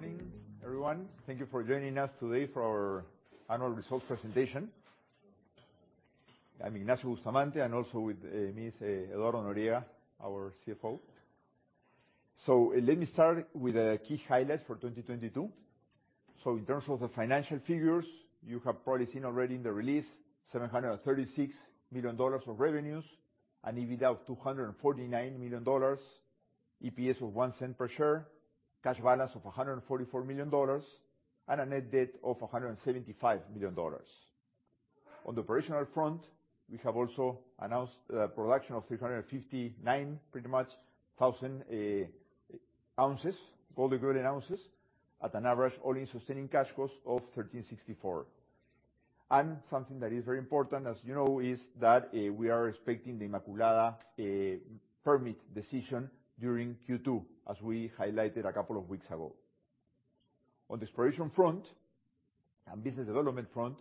Good morning, everyone. Thank you for joining us today for our annual results presentation. I'm Ignacio Bustamante. Also with me is Eduardo Noriega, our CFO. Let me start with the key highlights for 2022. In terms of the financial figures, you have probably seen already in the release, $736 million of revenues, an EBITDA of $249 million, EPS of $0.01 per share, cash balance of $144 million, and a net debt of $175 million. On the operational front, we have also announced the production of 359, pretty much, thousand ounces, gold equivalent ounces, at an average all-in sustaining cash cost of $1,364. Something that is very important, as you know, is that we are expecting the Inmaculada permit decision during Q2, as we highlighted a couple of weeks ago. On the exploration front and business development front,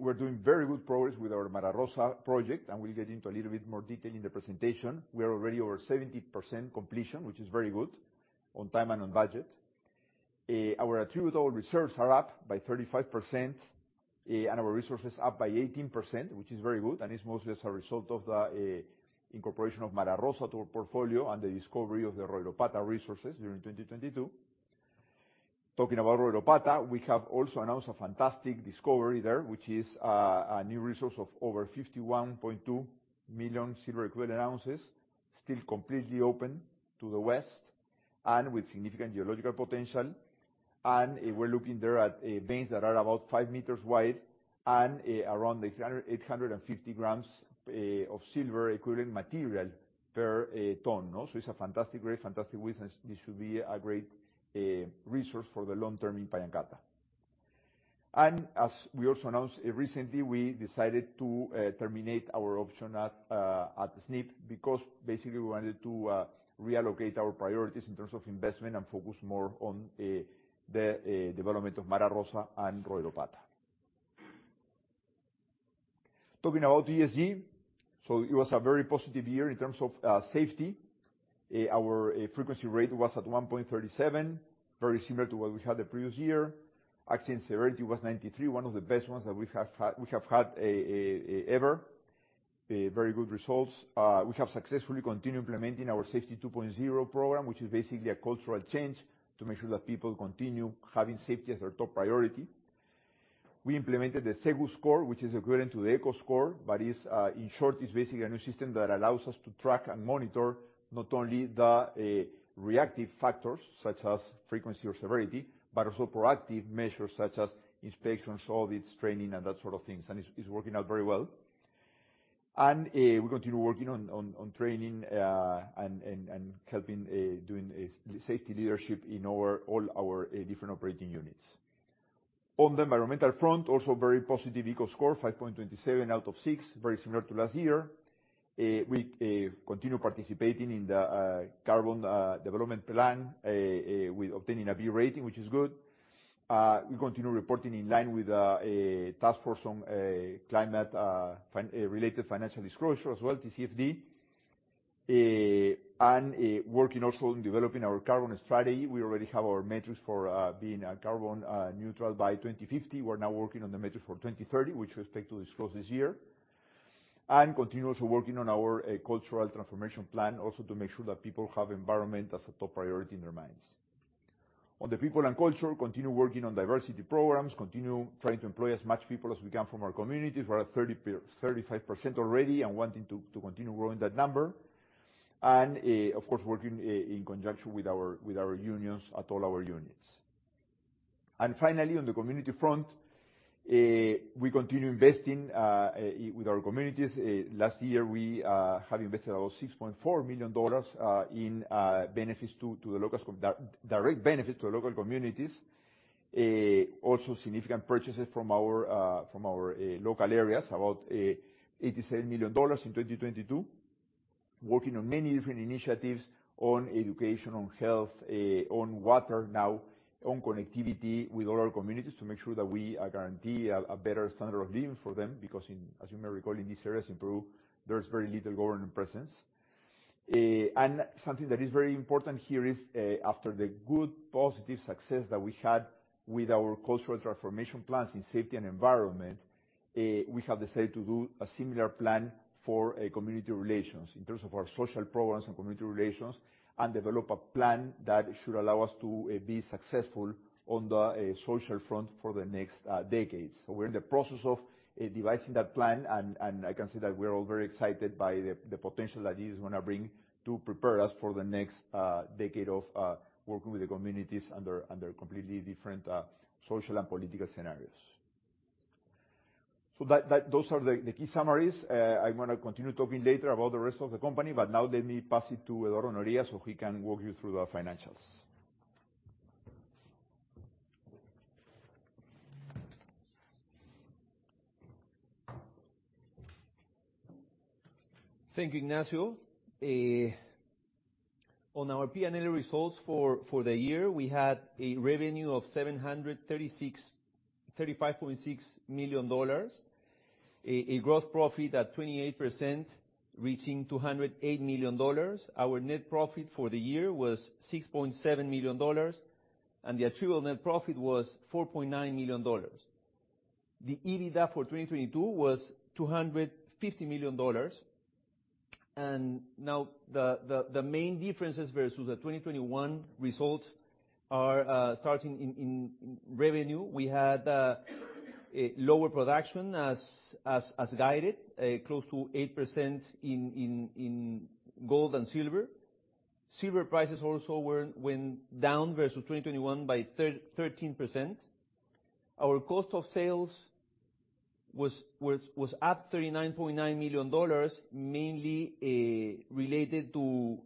we're doing very good progress with our Mara Rosa project, and we'll get into a little bit more detail in the presentation. We are already over 70% completion, which is very good, on time and on budget. Our attributable reserves are up by 35%, and our resources up by 18%, which is very good, and it's mostly as a result of the incorporation of Mara Rosa to our portfolio and the discovery of the Royropata resources during 2022. Talking about Royropata, we have also announced a fantastic discovery there, which is a new resource of over 51.2 million silver equivalent ounces, still completely open to the west, and with significant geological potential. We're looking there at veins that are about 5 m wide and around 800 g-850 of silver equivalent material per ton. A fantastic grade, fantastic width, and this should be a great resource for the long term in Pallancata. As we also announced recently, we decided to terminate our option at Snip, because basically we wanted to reallocate our priorities in terms of investment and focus more on the development of Mara Rosa and Royropata. Talking about ESG, it was a very positive year in terms of safety. Our frequency rate was at 1.37, very similar to what we had the previous year. Accident severity was 93, one of the best ones that we have had ever. Very good results. We have successfully continued implementing our Safety 2.0 program, which is basically a cultural change to make sure that people continue having safety as their top priority. We implemented the Seguscore, which is equivalent to the ECO Score, but in short, is basically a new system that allows us to track and monitor not only the reactive factors, such as frequency or severity, but also proactive measures, such as inspections, audits, training, and that sort of things. It's working out very well. We continue working on training and helping doing safety leadership in all our different operating units. On the environmental front, also very positive ECO Score, 5.27 out of six, very similar to last year. We continue participating in the Carbon Development Plan with obtaining a B rating, which is good. We continue reporting in line with a task force on climate-related financial disclosure as well, TCFD. Working also in developing our carbon strategy. We already have our metrics for being carbon neutral by 2050. We're now working on the metrics for 2030, which we expect to disclose this year. Continue also working on our cultural transformation plan, also to make sure that people have environment as a top priority in their minds. On the people and culture, continue working on diversity programs, continue trying to employ as much people as we can from our communities. We're at 35% already and wanting to continue growing that number. Of course, working in conjunction with our unions at all our units. Finally, on the community front, we continue investing with our communities. Last year, we have invested about $6.4 million in benefits to the local direct benefit to the local communities. Also significant purchases from our local areas, about $87 million in 2022. Working on many different initiatives on education, on health, on water now, on connectivity with all our communities to make sure that we guarantee a better standard of living for them, because in, as you may recall, in these areas in Peru, there's very little government presence. Something that is very important here is after the good, positive success that we had with our cultural transformation plans in safety and environment, we have decided to do a similar plan for community relations, in terms of our social programs and community relations, and develop a plan that should allow us to be successful on the social front for the next decades. We're in the process of devising that plan, and I can say that we're all very excited by the potential that this is gonna bring to prepare us for the next decade of working with the communities under completely different social and political scenarios. Those are the key summaries. I'm gonna continue talking later about the rest of the company. Now let me pass it to Eduardo Noriega, so he can walk you through our financials. Thank you, Ignacio. On our P&L results for the year, we had a revenue of $735.6 million. A growth profit at 28%, reaching $208 million. Our net profit for the year was $6.7 million, and the attributable net profit was $4.9 million. The EBITDA for 2022 was $250 million. Now the main differences versus the 2021 results are starting in revenue. We had a lower production as guided, close to 8% in gold and silver. Silver prices also went down versus 2021 by 13%. Our cost of sales was up $39.9 million, mainly related to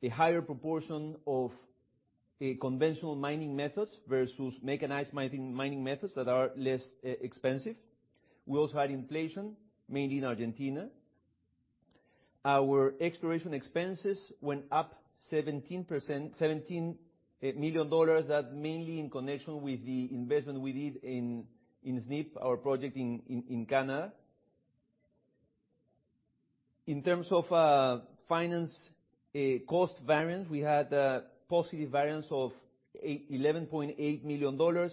the higher proportion of conventional mining methods versus mechanized mining methods that are less expensive. We also had inflation, mainly in Argentina. Our exploration expenses went up $17 million. That mainly in connection with the investment we did in Snip, our project in Ghana. In terms of finance cost variance, we had a positive variance of $11.8 million,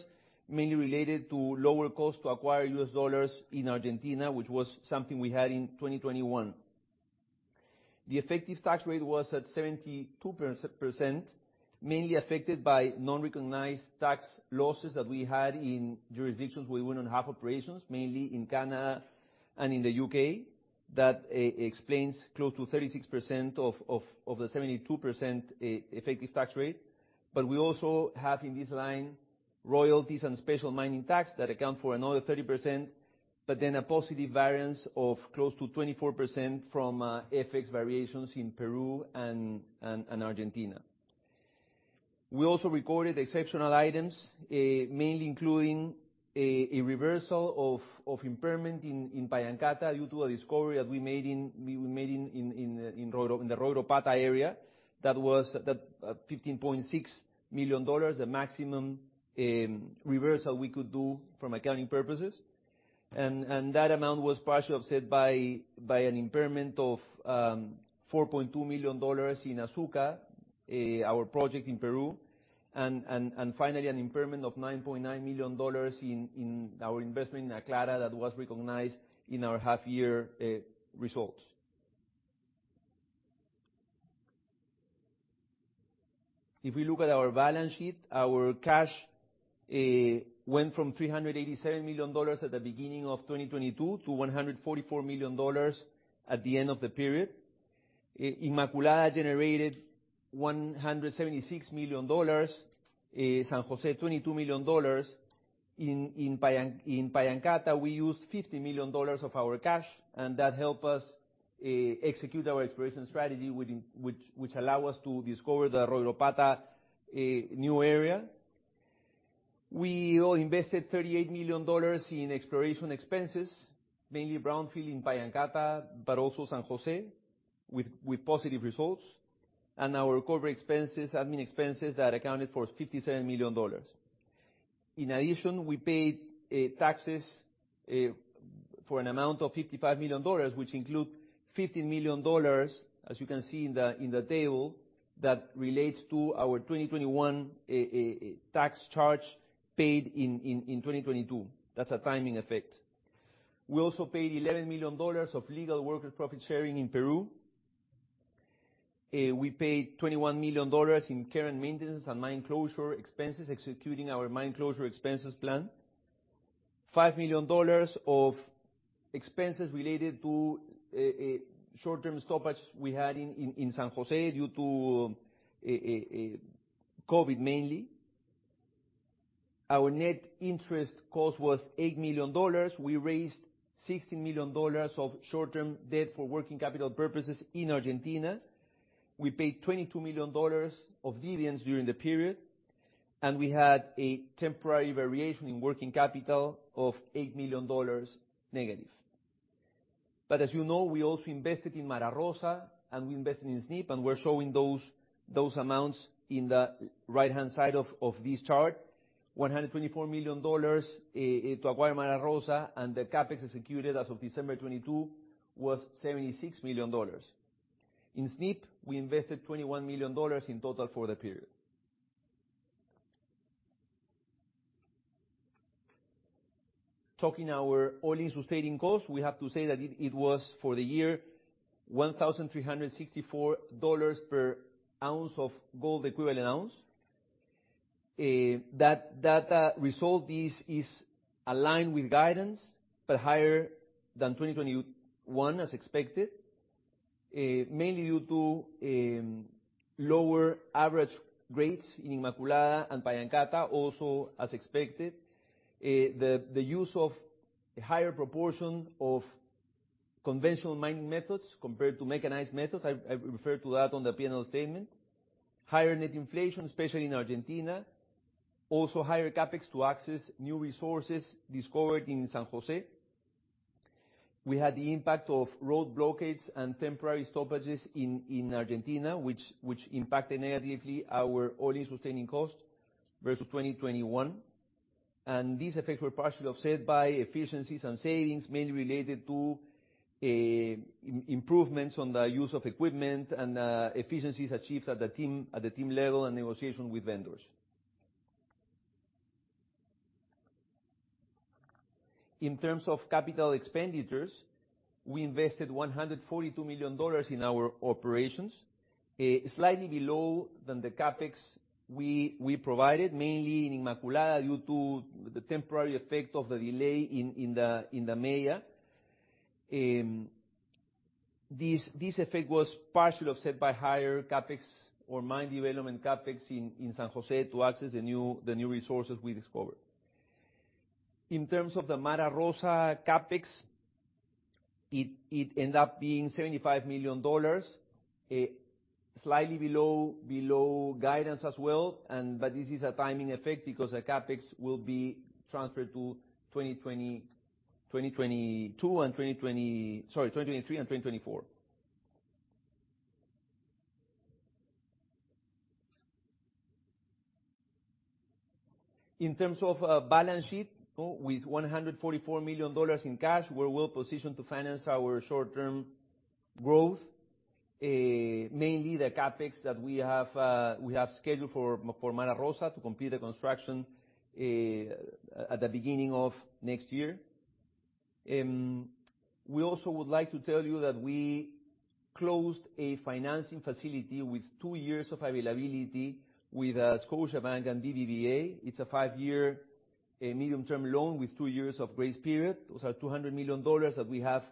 mainly related to lower cost to acquire U.S. dollars in Argentina, which was something we had in 2021. The effective tax rate was at 72%, mainly affected by non-recognized tax losses that we had in jurisdictions where we wouldn't have operations, mainly in Ghana and in the U.K. That explains close to 36% of the 72% effective tax rate. We also have in this line royalties and Special Mining Tax that account for another 30%, but then a positive variance of close to 24% from FX variations in Peru and Argentina. We also recorded exceptional items, mainly including a reversal of impairment in Pallancata due to a discovery that we made in the Royropata area. That was the $15.6 million, the maximum reversal we could do from accounting purposes. That amount was partially offset by an impairment of $4.2 million in Arcata, our project in Peru. Finally, an impairment of $9.9 million in our investment in Aclara that was recognized in our half year results. If we look at our balance sheet, our cash went from $387 million at the beginning of 2022 to $144 million at the end of the period. Inmaculada generated $176 million, San Jose, $22 million. In Pallancata, we used $50 million of our cash, that helped us execute our exploration strategy, which allow us to discover the Royropata, a new area. We all invested $38 million in exploration expenses, mainly brownfield in Pallancata, but also San Jose, with positive results. Our recovery expenses, admin expenses, that accounted for $57 million. We paid taxes for an amount of $55 million, which include $15 million, as you can see in the table, that relates to our 2021 tax charge paid in 2022. That's a timing effect. We also paid $11 million of legal worker profit sharing in Peru. We paid $21 million in care and maintenance and mine closure expenses, executing our mine closure expenses plan. $5 million of expenses related to a short-term stoppage we had in San Jose due to COVID mainly. Our net interest cost was $8 million. We raised $16 million of short-term debt for working capital purposes in Argentina. We paid $22 million of dividends during the period, we had a temporary variation in working capital of $8 million negative. As you know, we also invested in Mara Rosa, we invested in Snip, we're showing those amounts in the right-hand side of this chart. $124 million to acquire Mara Rosa, the capex executed as of December 2022 was $76 million. In Snip, we invested $21 million in total for the period. Talking our all-in sustaining cost, we have to say that it was, for the year, $1,364 per ounce of gold equivalent ounce. That result is aligned with guidance, higher than 2021, as expected, mainly due to lower average grades in Inmaculada and Pallancata, also as expected. The use of a higher proportion of conventional mining methods compared to mechanized methods, I referred to that on the P&L statement. Higher net inflation, especially in Argentina. Higher CapEx to access new resources discovered in San Jose. We had the impact of road blockades and temporary stoppages in Argentina, which impacted negatively our all-in sustaining cost versus 2021. These effects were partially offset by efficiencies and savings, mainly related to improvements on the use of equipment and efficiencies achieved at the team level in negotiation with vendors. In terms of capital expenditures, we invested $142 million in our operations. Slightly below than the CapEx we provided, mainly in Inmaculada due to the temporary effect of the delay in the MEIA. This effect was partially offset by higher CapEx or mine development CapEx in San Jose to access the new resources we discovered. In terms of the Mara Rosa CapEx, it ended up being $75 million, slightly below guidance as well. This is a timing effect because the CapEx will be transferred to 2023 and 2024. In terms of balance sheet, with $144 million in cash, we're well positioned to finance our short-term growth. Mainly the CapEx that we have scheduled for Mara Rosa to complete the construction at the beginning of next year. We also would like to tell you that we closed a financing facility with 2 years of availability with Scotiabank and BBVA. It's a five year medium-term loan with two years of grace period. Those are $200 million that we have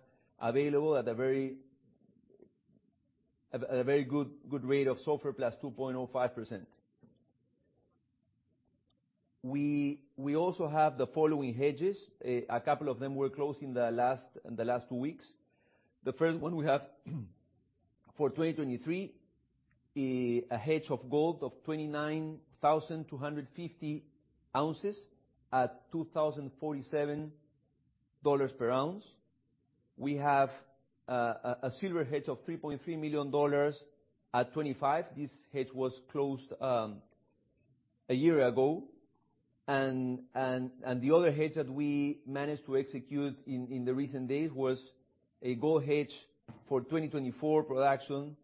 available at a very good rate of SOFR plus 2.05%. We also have the following hedges. A couple of them were closed in the last two weeks. The first one we have for 2023, a hedge of gold of 29,250 ounces at $2,047 per ounce. We have a silver hedge of $3.3 million at $25 per ounce. This hedge was closed a year ago. The other hedge that we managed to execute in the recent days was a gold hedge for 2024 production,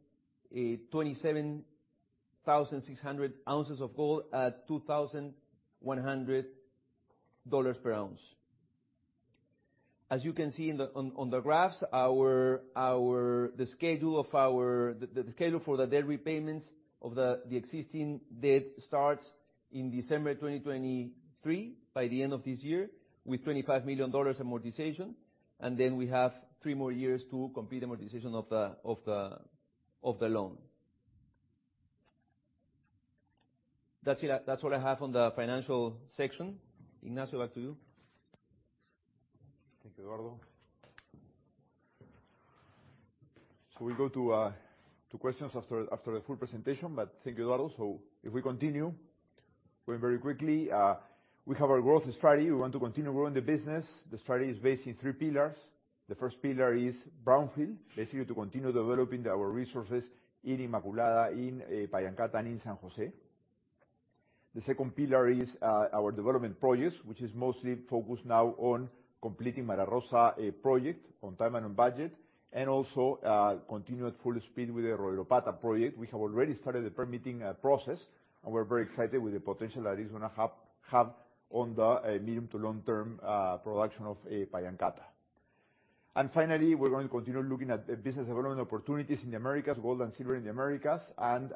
27,600 ounces of gold at $2,100 per ounce. As you can see on the graphs, the schedule for the debt repayments of the existing debt starts in December 2023, by the end of this year, with $25 million amortization. Then we have three more years to complete amortization of the loan. That's it. That's all I have on the financial section. Ignacio, back to you. Thank you, Eduardo. We go to questions after the full presentation. Thank you, Eduardo. If we continue very, very quickly, we have our growth strategy. We want to continue growing the business. The strategy is based in three pillars. The first pillar is brownfield, basically to continue developing our resources in Inmaculada, in Pallancata, and in San Jose. The second pillar is our development projects, which is mostly focused now on completing Mara Rosa, a project on time and on budget. Also, continue at full speed with the Royropata project. We have already started the permitting process, and we're very excited with the potential that is going to have on the medium to long-term production of Pallancata. Finally, we're going to continue looking at business development opportunities in the Americas, gold and silver in the Americas, and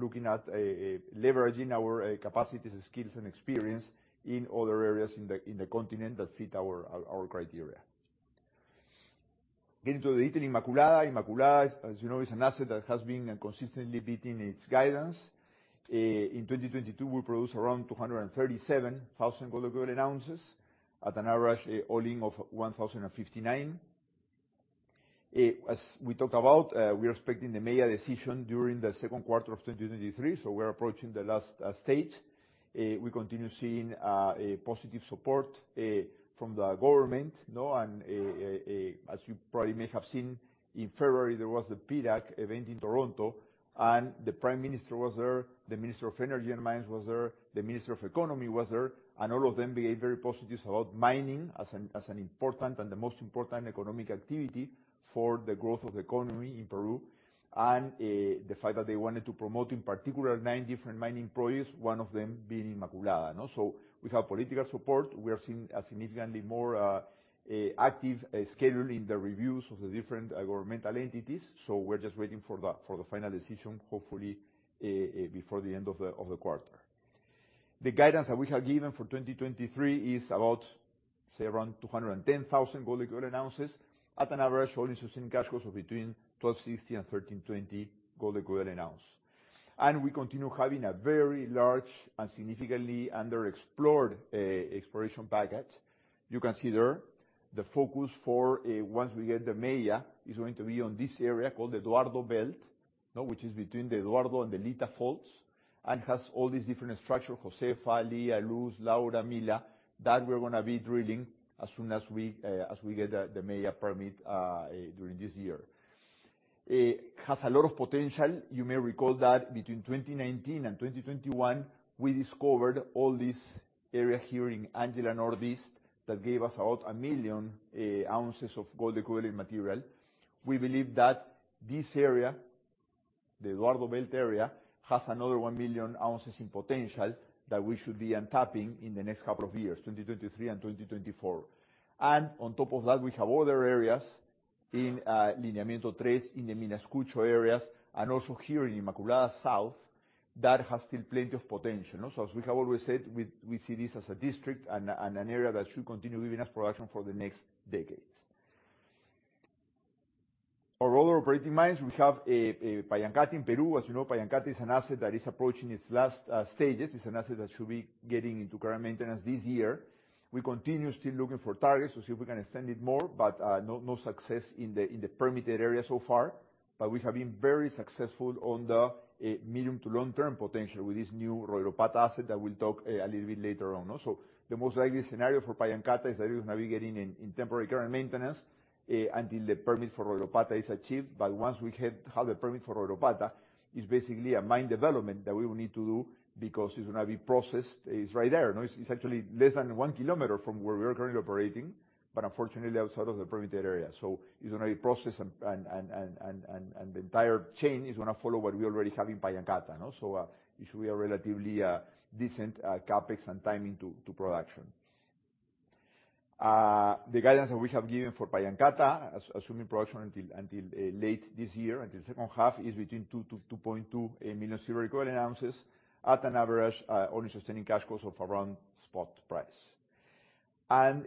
looking at leveraging our capacities, skills, and experience in other areas in the continent that fit our criteria. Getting to the detail Inmaculada. Inmaculada, as you know, is an asset that has been consistently beating its guidance. In 2022, we produced around 237,000 gold equivalent ounces at an average hauling of $1,059. As we talked about, we are expecting the MEIA decision during the second quarter of 2023. We're approaching the last stage. We continue seeing a positive support from the government, you know, as you probably may have seen, in February, there was a PDAC event in Toronto. The Prime Minister was there, the Minister of Energy and Mines was there, the Minister of Economy was there, and all of them behaved very positive about mining as an important, and the most important economic activity for the growth of the economy in Peru. The fact that they wanted to promote, in particular, nine different mining projects, one of them being Inmaculada, you know? We have political support. We are seeing a significantly more active schedule in the reviews of the different governmental entities, so we're just waiting for the final decision, hopefully, before the end of the quarter. The guidance that we have given for 2023 is about, say, around 210,000 gold equivalent ounces at an average all-in sustaining cash costs of between $1,260 and $1,320 per gold equivalent ounce. We continue having a very large and significantly underexplored exploration package. You can see there the focus for, once we get the MEIA, is going to be on this area called the Eduardo Belt, you know, which is between the Eduardo and the Lita faults, and has all these different structures, José, Fali, Luz, Laura, Mila, that we're gonna be drilling as soon as we get the MEIA permit during this year. It has a lot of potential. You may recall that between 2019 and 2021, we discovered all this area here in Angela Northeast that gave us about 1 million ounces of gold equivalent material. We believe that this area, the Eduardo Belt area, has another 1 million ounces in potential that we should be untapping in the next couple of years, 2023 and 2024. On top of that, we have other areas in Lineamiento Tres, in the Minascucho areas, and also here in Inmaculada South, that has still plenty of potential. As we have always said, we see this as a district and an area that should continue giving us production for the next decades. For all our operating mines, we have Pallancata in Peru. As you know, Pallancata is an asset that is approaching its last stages. It's an asset that should be getting into care and maintenance this year. We continue still looking for targets to see if we can extend it more, but no success in the permitted area so far. We have been very successful on the medium to long-term potential with this new Royropata asset that we'll talk a little bit later on. The most likely scenario for Pallancata is that it will now be getting in temporary care and maintenance until the permit for Royropata is achieved. Once we have the permit for Royropata, it's basically a mine development that we will need to do because it's gonna be processed. It's right there. It's actually less than one kilometer from where we are currently operating, but unfortunately, outside of the permitted area. It's gonna be processed and the entire chain is gonna follow what we already have in Pallancata, you know? It should be a relatively decent CapEx and timing to production. The guidance that we have given for Pallancata, assuming production until late this year, until second half, is between 2 million-2.2 million silver equivalent ounces at an average all-in sustaining cash cost of around spot price.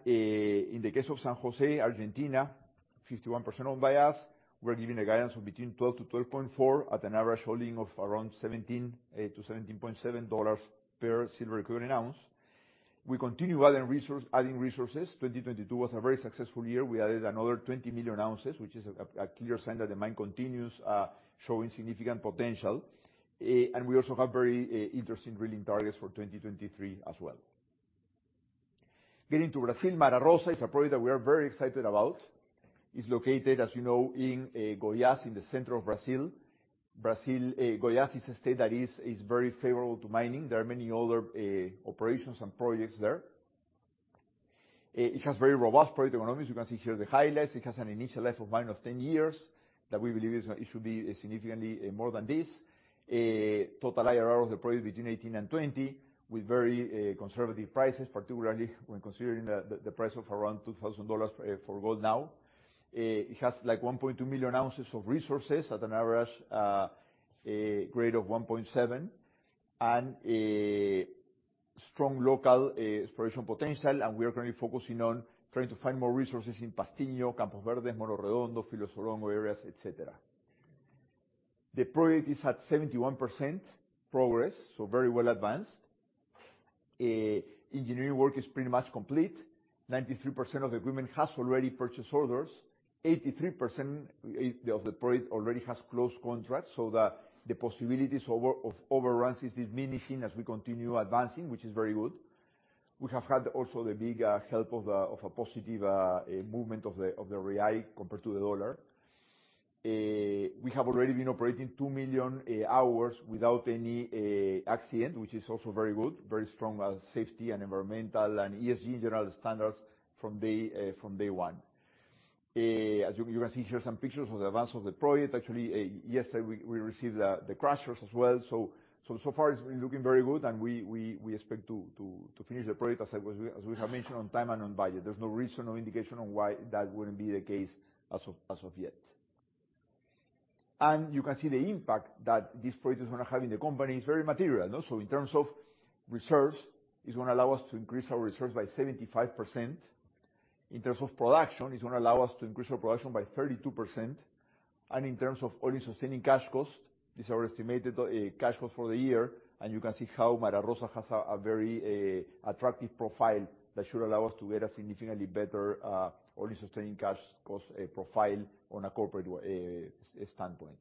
In the case of San Jose, Argentina, 51% owned by us, we're giving a guidance of between 12-12.4 at an average all-in of around $17-$17.7 per silver equivalent ounce. We continue adding resources. 2022 was a very successful year. We added another 20 million ounces, which is a clear sign that the mine continues showing significant potential. We also have very interesting drilling targets for 2023 as well. Getting to Brazil, Mara Rosa is a project that we are very excited about. It's located, as you know, in Goiás, in the center of Brazil. Goiás is a state that is very favorable to mining. There are many other operations and projects there. It has very robust project economics. You can see here the highlights. It has an initial life of mine of 10 years that we believe it should be significantly more than this. Total IRR of the project between 18 and 20, with very conservative prices, particularly when considering the price of around $2,000 for gold now. It has, like, 1.2 million ounces of resources at an average grade of 1.7. Strong local exploration potential, and we are currently focusing on trying to find more resources in Pastinho, Campos Verdes, Morro Redondo, [Philos Orongo] areas, etc. The project is at 71% progress, so very well advanced. Engineering work is pretty much complete. 93% of the equipment has already purchased orders. 83% of the project already has close contracts, so the possibilities of overruns is diminishing as we continue advancing, which is very good. We have had also the big help of a positive movement of the real compared to the dollar. We have already been operating 2 million hours without any accident, which is also very good. Very strong safety and environmental and ESG in general standards from day one. As you can see, here some pictures of the advance of the project. Actually, yesterday we received the crushers as well. So far it's been looking very good and we expect to finish the project as we have mentioned on time and on budget. There's no reason or indication on why that wouldn't be the case as of yet. You can see the impact that this project is gonna have in the company is very material. Also, in terms of reserves, it's gonna allow us to increase our reserves by 75%. In terms of production, it's gonna allow us to increase our production by 32%. In terms of all-in sustaining cash costs, these are our estimated cash costs for the year. You can see how Mara Rosa has a very attractive profile that should allow us to get a significantly better all-in sustaining cash cost profile on a corporate standpoint.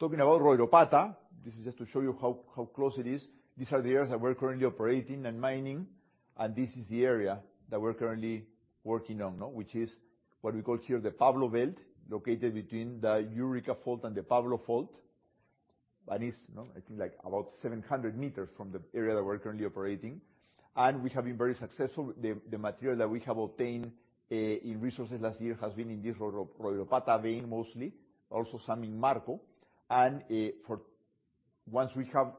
Talking about Royropata, this is just to show you how close it is. These are the areas that we're currently operating and mining, and this is the area that we're currently working on, no? Which is what we call here the Pablo Belt, located between the Eureka fault and the Pablo fault. That is, I think like about 700 meters from the area that we're currently operating. We have been very successful. The material that we have obtained in resources last year has been in this Royropata vein mostly, also some in Marco. For once we have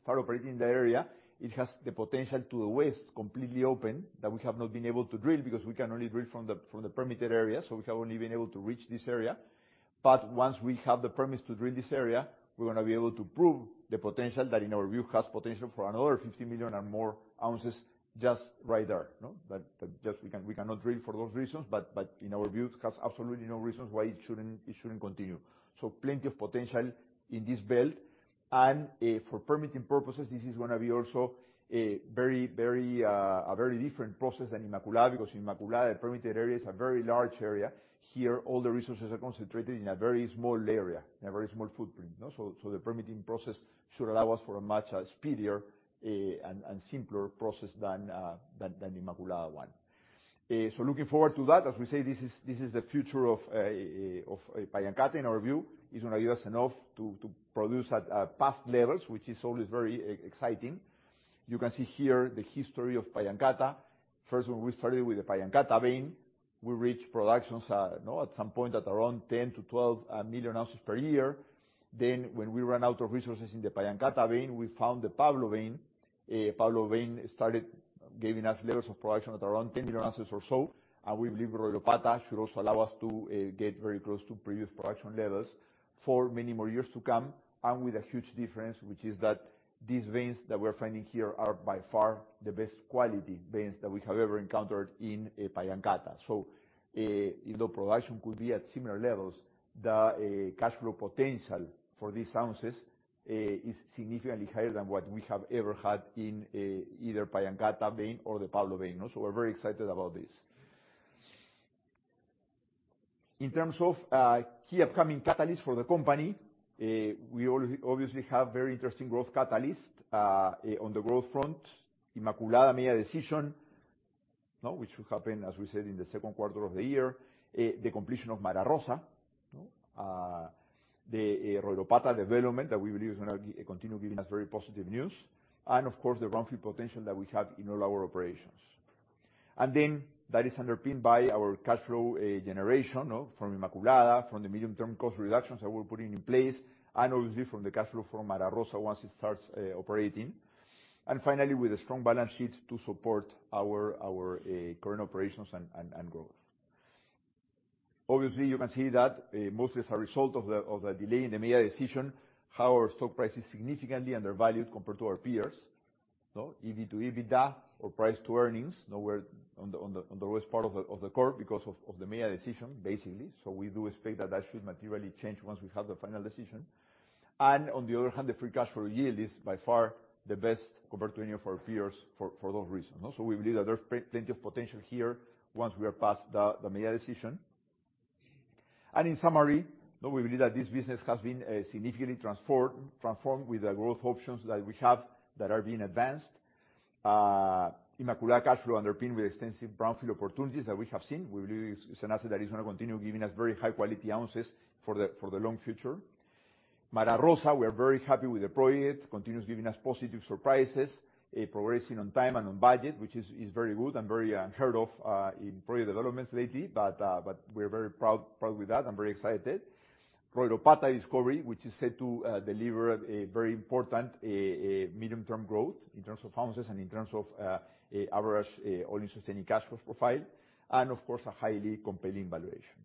start operating the area, it has the potential to waste completely open that we have not been able to drill because we can only drill from the permitted area, so we have only been able to reach this area. Once we have the permits to drill this area, we're gonna be able to prove the potential that, in our view, has potential for another 50 million and more ounces just right there, no? But just we can, we cannot drill for those reasons, but in our view, it has absolutely no reasons why it shouldn't continue. Plenty of potential in this belt. For permitting purposes, this is gonna be also a very different process than Inmaculada, because Inmaculada, the permitted area is a very large area. Here, all the resources are concentrated in a very small area, in a very small footprint, you know? The permitting process should allow us for a much speedier and simpler process than Inmaculada one. Looking forward to that, as we say, this is the future of Pallancata, in our view. It's gonna give us enough to produce at past levels, which is always very exciting. You can see here the history of Pallancata. First, when we started with the Pallancata vein, we reached productions, you know, at some point at around 10 to 12 million ounces per year. When we ran out of resources in the Pallancata vein, we found the Pablo vein. Pablo vein started giving us levels of production at around 10 million ounces or so. We believe Royropata should also allow us to get very close to previous production levels for many more years to come, and with a huge difference, which is that these veins that we're finding here are by far the best quality veins that we have ever encountered in Pallancata. Even though production could be at similar levels, the cash flow potential for these ounces is significantly higher than what we have ever had in either Pallancata vein or the Pablo vein. We're very excited about this. In terms of key upcoming catalysts for the company, we obviously have very interesting growth catalysts on the growth front. Inmaculada MEIA decision, you know, which will happen, as we said, in the second quarter of the year. The completion of Mara Rosa, you know. The Royropata development that we believe continue giving us very positive news. Of course, the brownfield potential that we have in all our operations. That is underpinned by our cash flow generation, you know, from Inmaculada, from the medium-term cost reductions that we're putting in place, obviously from the cash flow from Mara Rosa once it starts operating. Finally, with a strong balance sheet to support our current operations and growth. Obviously, you can see that mostly as a result of the delay in the MEIA decision, how our stock price is significantly undervalued compared to our peers. You know, EV to EBITDA or price to earnings, nowhere on the worst part of the curve because of the MEIA decision, basically. We do expect that that should materially change once we have the final decision. On the other hand, the free cash flow yield is by far the best compared to any of our peers for those reasons. We believe that there's plenty of potential here once we are past the MEIA decision. In summary, you know, we believe that this business has been significantly transformed with the growth options that we have that are being advanced. Inmaculada cash flow underpinned with extensive brownfield opportunities that we have seen. We believe it's an asset that is gonna continue giving us very high-quality ounces for the long future. Mara Rosa, we are very happy with the project. Continues giving us positive surprises. Progressing on time and on budget, which is very good and very unheard of in project developments lately. We're very proud with that and very excited. Royropata discovery, which is set to deliver a very important medium-term growth in terms of ounces and in terms of average all-in sustaining cash flows profile. Of course, a highly compelling valuation.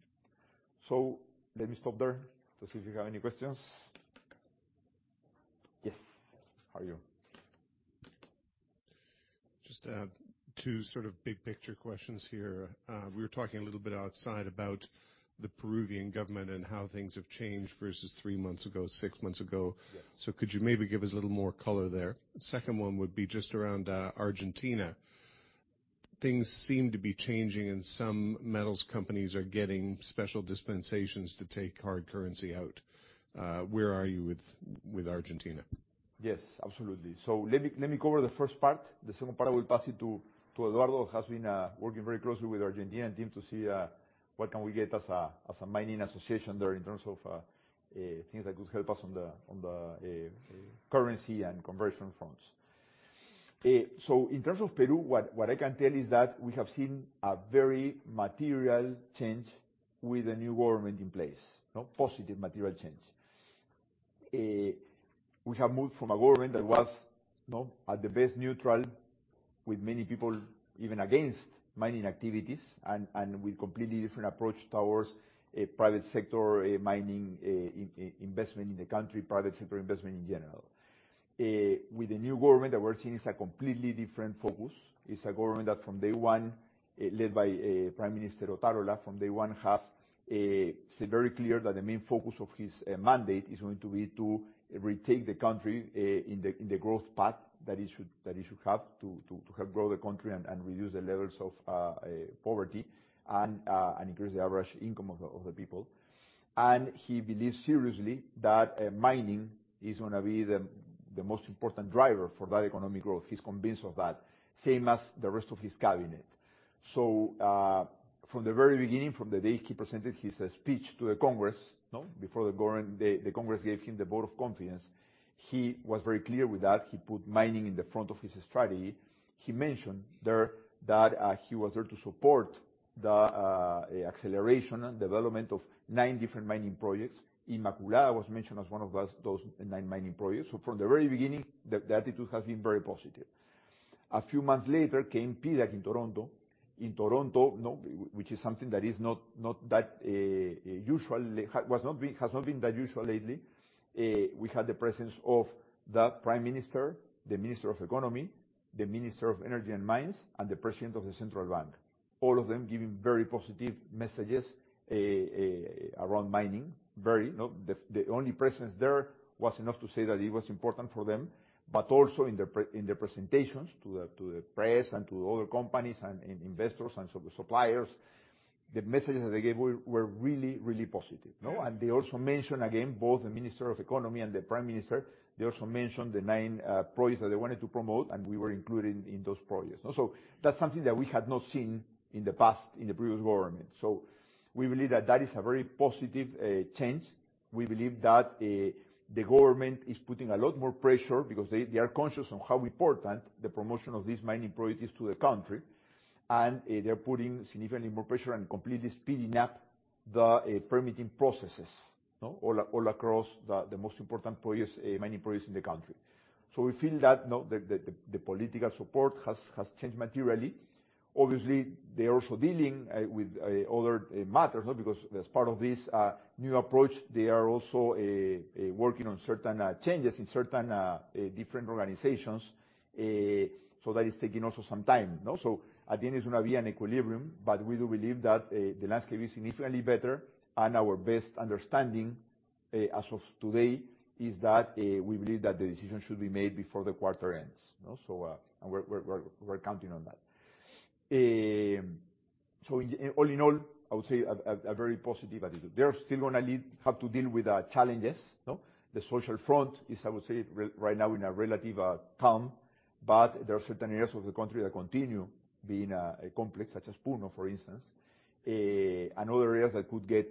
Let me stop there, just see if you have any questions. Yes. How are you? Just, two sort of big-picture questions here. We were talking a little bit outside about the Peruvian government and how things have changed versus three months ago, six months ago. Yeah. Could you maybe give us a little more color there? Second one would be just around, Argentina. Things seem to be changing, some metals companies are getting special dispensations to take hard currency out. Where are you with Argentina? Yes, absolutely. Let me cover the first part. The second part, I will pass it to Eduardo, who has been working very closely with Argentina and team to see what can we get as a mining association there in terms of things that could help us on the currency and conversion fronts. In terms of Peru, what I can tell is that we have seen a very material change with the new government in place, you know, positive material change. We have moved from a government that was, you know, at the best neutral, with many people even against mining activities and with completely different approach towards a private sector mining investment in the country, private sector investment in general. that we are seeing has a completely different focus. It is a government that from day one, led by Prime Minister Otárola, has said very clear that the main focus of his mandate is going to be to retake the country in the growth path that it should have to help grow the country and reduce the levels of poverty and increase the average income of the people. He believes seriously that mining is going to be the most important driver for that economic growth. He is convinced of that, same as the rest of his cabinet. From the very beginning, from the day he presented his speech to the Congress, you know, before the Congress gave him the vote of confidence, he was very clear with that. He put mining in the front of his strategy. He mentioned there that he was there to support the acceleration and development of nine different mining projects. Inmaculada was mentioned as one of those nine mining projects. From the very beginning, the attitude has been very positive. A few months later, came PDAC in Toronto. In Toronto, you know, which is something that is not that usual. It has not been that usual lately. We had the presence of the Prime Minister, the Minister of Economy, the Minister of Energy and Mines, and the President of the Central Bank, all of them giving very positive messages around mining. Very, you know, the only presence there was enough to say that it was important for them, but also in their presentations to the press and to other companies and investors and suppliers. The messages that they gave were really, really positive. They also mentioned, again, both the Minister of Economy and the Prime Minister, they also mentioned the nine projects that they wanted to promote, and we were included in those projects. That's something that we had not seen in the past in the previous government. We believe that that is a very positive change. We believe that the government is putting a lot more pressure because they are conscious on how important the promotion of these mining projects is to the country. They're putting significantly more pressure and completely speeding up the permitting processes, no? All across the most important projects, mining projects in the country. We feel that, no, the political support has changed materially. Obviously, they're also dealing with other matters, no? As part of this new approach, they are also working on certain changes in certain different organizations. That is taking also some time, no? At the end is gonna be an equilibrium, but we do believe that the landscape is significantly better. Our best understanding as of today, is that we believe that the decision should be made before the quarter ends, no? We're counting on that. All in all, I would say a very positive attitude. They're still gonna have to deal with challenges, no? The social front is, I would say, right now in a relative calm, but there are certain areas of the country that continue being complex, such as Puno, for instance. Other areas that could get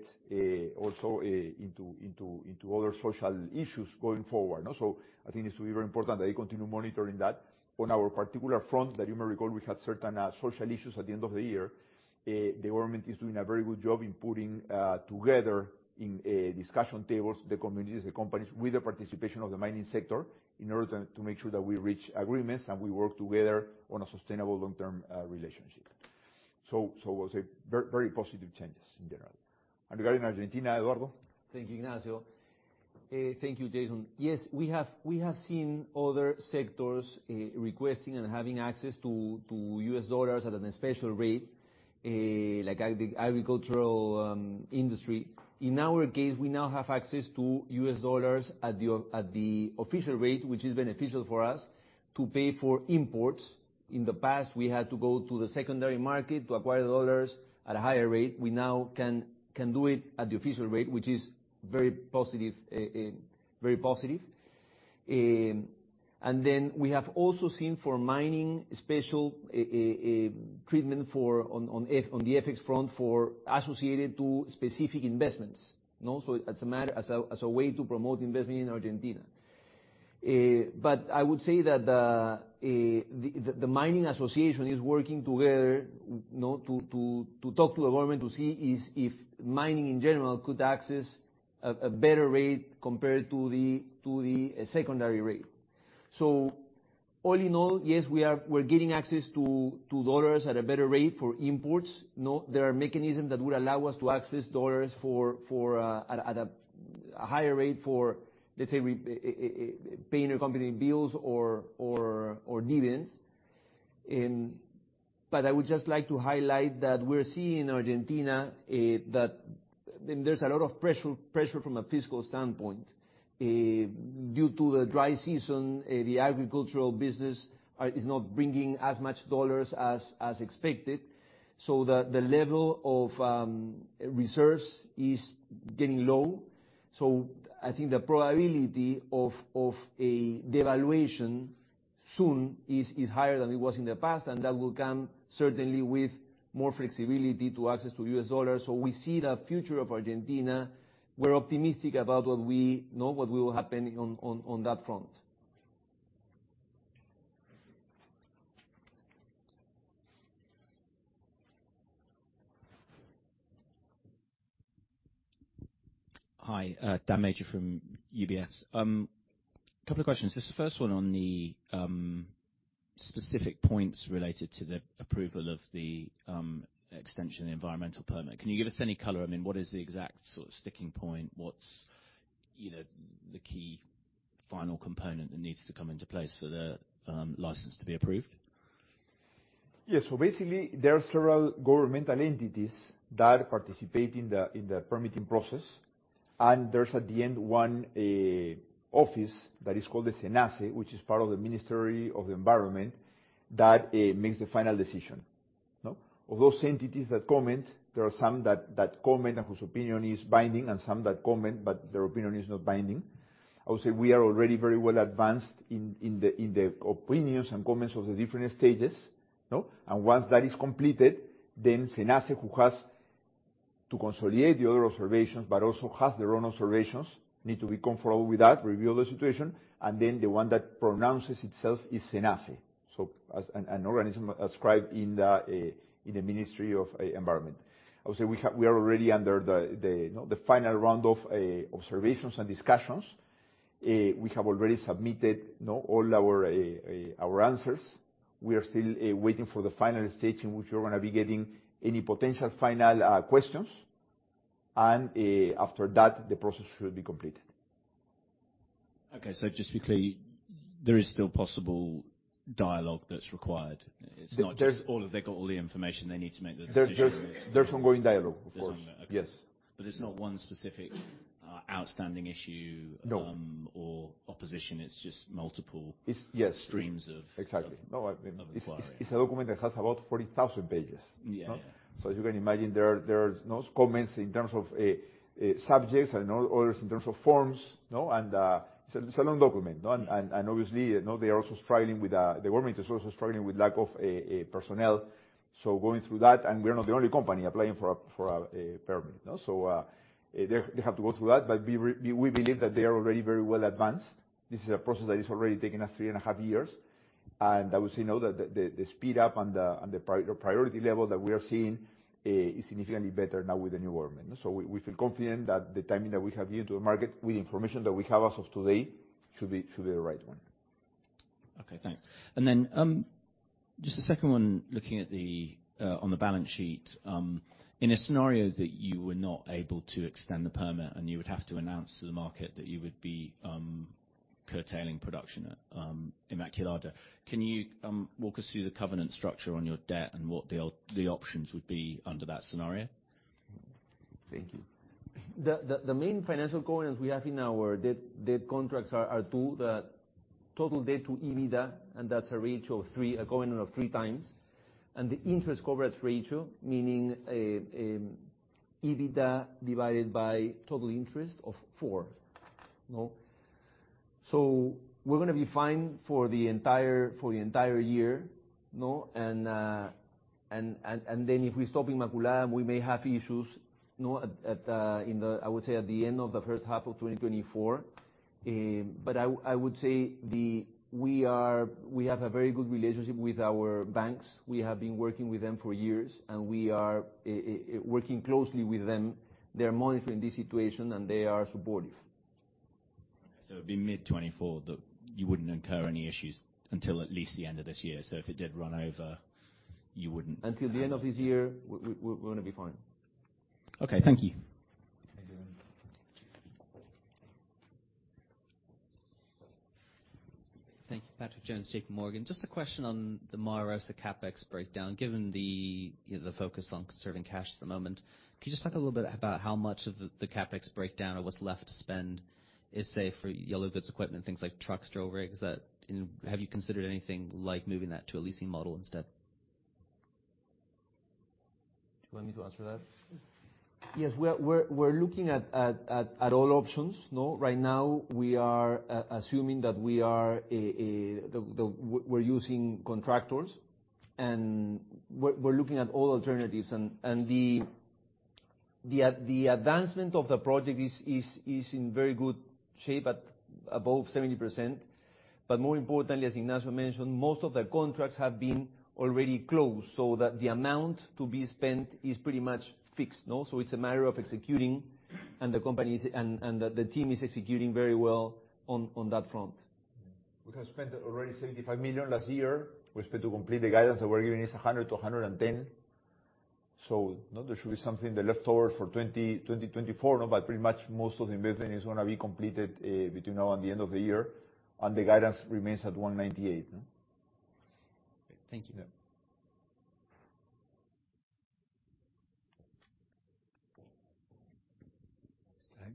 also into other social issues going forward, no? I think it's very important that they continue monitoring that. On our particular front, that you may recall we had certain social issues at the end of the year. The government is doing a very good job in putting together in discussion tables, the communities, the companies with the participation of the mining sector, in order to make sure that we reach agreements and we work together on a sustainable long-term relationship. I would say very positive changes in general. Regarding Argentina, Eduardo. Thank you, Ignacio. Thank you, Jason. Yes, we have seen other sectors requesting and having access to U.S. dollars at a special rate, like agricultural industry. In our case, we now have access to U.S. dollars at the official rate, which is beneficial for us to pay for imports. In the past, we had to go to the secondary market to acquire dollars at a higher rate. We now can do it at the official rate, which is very positive. We have also seen for mining special treatment for on the FX front for associated to specific investments, no? As a matter, as a way to promote investment in Argentina. I would say that the mining association is working together, no, to talk to the government to see if mining in general could access a better rate compared to the secondary rate. All in all, yes, we're getting access to dollars at a better rate for imports, no? There are mechanisms that would allow us to access dollars for at a higher rate for, let's say, we paying a company bills or dividends. I would just like to highlight that we're seeing in Argentina that there's a lot of pressure from a fiscal standpoint. Due to the dry season, the agricultural business is not bringing as much dollars as expected, so the level of reserves is getting low. I think the probability of a devaluation soon is higher than it was in the past, and that will come certainly with more flexibility to access to U.S. dollars. We see the future of Argentina, we're optimistic about what we know what will happen on that front. Hi, Dan Major from UBS. Couple of questions. Just the first one on the specific points related to the approval of the extension environmental permit. Can you give us any color? I mean, what is the exact sort of sticking point? What's either the key final component that needs to come into place for the license to be approved? Yes. Basically, there are several governmental entities that participate in the permitting process. And there's at the end one office that is called the SENACE, which is part of the Ministry of Environment, that makes the final decision, no? Of those entities that comment, there are some that comment and whose opinion is binding, and some that comment, but their opinion is not binding. I would say we are already very well advanced in the opinions and comments of the different stages, no? Once that is completed, then SENACE, who has to consolidate the other observations but also has their own observations, need to be comfortable with that, review the situation, and then the one that pronounces itself is SENACE. As an organism ascribed in the Ministry of Environment. I would say we have-- We are already under the final round of observations and discussions. We have already submitted all our answers. We are still waiting for the final stage in which we're gonna be getting any potential final questions. After that, the process should be completed. Okay. just to be clear, there is still possible dialogue that's required. It's not just- There's- All of they got all the information they need to make the decision. There's ongoing dialogue, of course. There's ongoing. Okay. Yes. There's not one specific outstanding issue. No. opposition, it's just multiple-. Yes. streams of Exactly. No. I mean, it's a document that has about 40,000 pages. Yeah, yeah. You can imagine there are notes, comments in terms of subjects and others in terms of forms, no? It's a long document, no? Yeah. Obviously, you know, they are also struggling with. The government is also struggling with lack of personnel. Going through that, and we are not the only company applying for a permit, no. They have to go through that. We believe that they are already very well advanced. This is a process that has already taken us three and a half years. I would say now that the speed up and the priority level that we are seeing is significantly better now with the new government. We feel confident that the timing that we have given to the market, with the information that we have as of today, should be the right one. Okay, thanks. Just a second one looking at the on the balance sheet. In a scenario that you were not able to extend the permit and you would have to announce to the market that you would be curtailing production at Inmaculada, can you walk us through the covenant structure on your debt and what the options would be under that scenario? Thank you. The main financial covenants we have in our debt contracts are two. The Total Debt to EBITDA, and that's a ratio of three, a covenant of 3x. The Interest Coverage Ratio, meaning EBITDA divided by total interest of four, no? We're gonna be fine for the entire year, no? If we stop Inmaculada, we may have issues, no, at the end of the first half of 2024. I would say we have a very good relationship with our banks. We have been working with them for years, and we are working closely with them. They are monitoring this situation and they are supportive. It'd be mid 2024 that you wouldn't incur any issues until at least the end of this year. If it did run over. Until the end of this year, we're gonna be fine. Okay. Thank you. Thank you. Thank you. Patrick Jones, J.P. Morgan. Just a question on the Mara Rosa capex breakdown, given the, you know, the focus on conserving cash at the moment. Could you just talk a little bit about how much of the capex breakdown or what's left to spend is saved for yellow goods equipment, things like trucks, drill rigs? That, you know, have you considered anything like moving that to a leasing model instead? Do you want me to answer that? Yes. We're looking at all options, no? Right now we are assuming that we are a The We're using contractors and we're looking at all alternatives. The advancement of the project is in very good shape, at above 70%. More importantly, as Ignacio mentioned, most of the contracts have been already closed so that the amount to be spent is pretty much fixed, no? It's a matter of executing, and the company's, and the team is executing very well on that front. We have spent already $75 million last year. We expect to complete the guidance that we're giving is $100-$110. No, there should be something left over for 2024, no, but pretty much most of the investment is gonna be completed between now and the end of the year. The guidance remains at $198, no? Thank you. Yeah.